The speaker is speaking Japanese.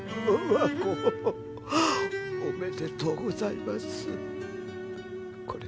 和子おめでとうございます。